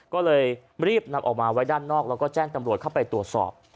ก็เลยรีบนำออกมาไว้ด้านนอกแล้วก็แจ้งตำรวจเข้าไปตรวจสอบ